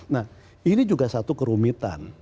nah ini juga satu kerumitan